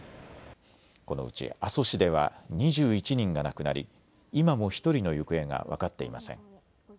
このうち阿蘇市では２１人が亡くなり今も１人の行方が分かっていません。